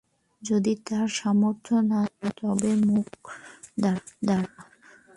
যদি তার সামর্থ্য না থাকে তবে মুখ দ্বারা।